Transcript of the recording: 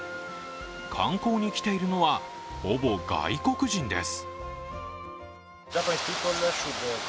観光に来ているのはほぼ外国人です。